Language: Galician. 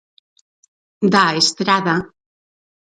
Da Estrada.